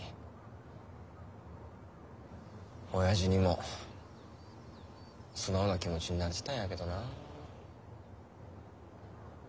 おやじにも素直な気持ちになってたんやけどなあ。